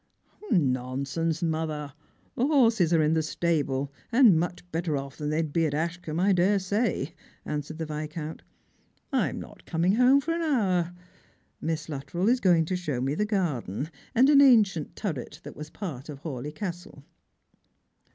" Nonsense, mother ; the horses are in the stable, and much better off than they'd be at Ashcombe, I dare say," answered the Viscount: "I'm not coming home for an hour. Miss Luttrell is going to show me the garden, and an ancient turret that was part of Hawleigh Castle."